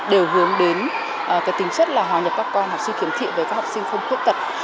đều hướng đến cái tính chất là hòa nhập các con học sinh khiếm thị với các học sinh không khuyết tật